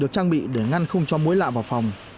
được trang bị để ngăn không cho mũi lạ vào phòng